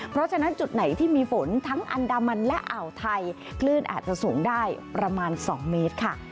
เพราะฉะนั้นจุดไหนที่มีฝนทั้งอันดามันและอ่าวไทยคลื่นอาจจะสูงได้ประมาณ๒เมตรค่ะ